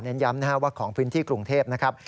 ย้ำนะครับว่าของพื้นที่กรุงเทพนะครับ